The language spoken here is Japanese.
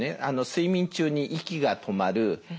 睡眠中に息が止まる